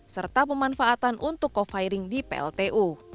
serta pemanfaatan untuk coviring di pltu